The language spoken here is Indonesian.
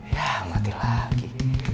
yah mati lagi